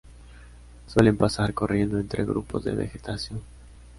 Suelen pasar corriendo entre grupos de vegetación.